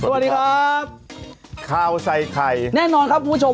สวัสดีครับข้าวใส่ไข่แน่นอนครับคุณผู้ชม